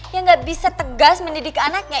dia gak bisa tegas mendidik anaknya